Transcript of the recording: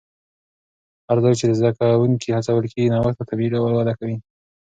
هر ځای چې زده کوونکي هڅول کېږي، نوښت په طبیعي ډول وده کوي.